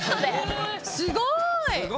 すごいね。